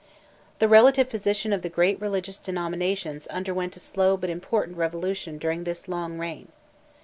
The relative position of the great religious denominations underwent a slow but important revolution during this long reign.